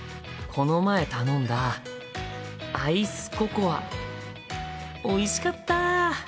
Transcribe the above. この前頼んだアイスココアおいしかった。